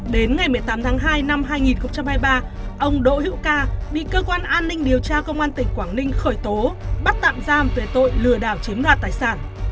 đến ngày một mươi tám tháng hai năm hai nghìn hai mươi ba ông đỗ hữu ca bị cơ quan an ninh điều tra công an tỉnh quảng ninh khởi tố bắt tạm giam về tội lừa đảo chiếm đoạt tài sản